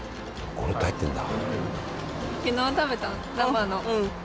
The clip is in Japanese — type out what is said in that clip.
ごろっと入ってるんだ。